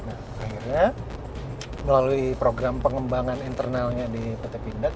akhirnya melalui program pengembangan internalnya di pt pindad